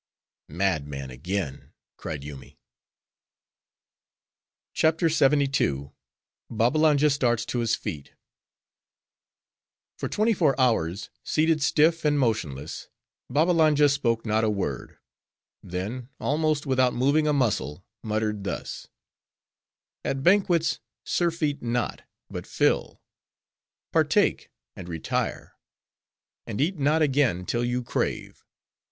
"Mad, mad again," cried Yoomy. CHAPTER LXXII. Babbalanja Starts To His Feet For twenty four hours, seated stiff, and motionless, Babbalanja spoke not a word; then, almost without moving a muscle, muttered thus:—"At banquets surfeit not, but fill; partake, and retire; and eat not again till you crave.